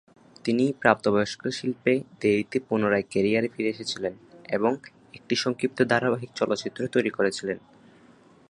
তিনি প্রাপ্তবয়স্ক শিল্পে দেরীতে পুনরায় ক্যারিয়ারে ফিরে এসেছিলেন এবং একটি সংক্ষিপ্ত ধারাবাহিক চলচ্চিত্র তৈরি করেছিলেন।